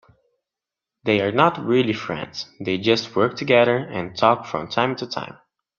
They are not really friends, they just work together and talk from time to time.